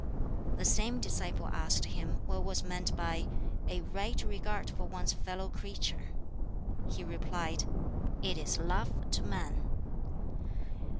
The same disciple asked him what was meant by "a right regard for one's fellow creatures." He replied, "It is love to man."